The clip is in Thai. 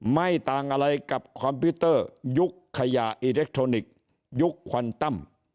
ไม่ต่างอะไรกับคอมพิวเตอร์ยุคขยะอิเล็กทรอนิกส์ยุคควันตั้ม